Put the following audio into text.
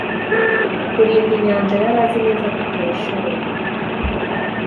Kurinda inyanja Yari azi neza ko atabishoboye